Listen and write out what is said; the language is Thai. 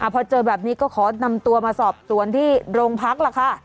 พอเจอแบบนี้ก็ขอนำตัวมาสอบสวนที่โรงพักล่ะค่ะ